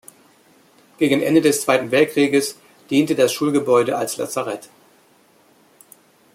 Gegen Ende des Zweiten Weltkrieges diente das Schulgebäude als Lazarett.